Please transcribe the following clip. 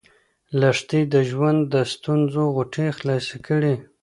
لښتې د ژوند د ستونزو غوټې خلاصې کړې.